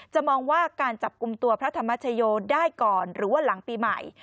มองว่าการจับกลุ่มตัวพระธรรมชโยได้ก่อนหรือว่าหลังปีใหม่